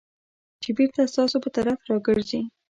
چې بېرته ستاسو په طرف راګرځي .